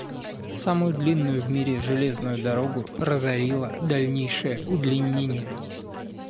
Самую длинную в мире железную дорогу разорило дальнейшее удлинение.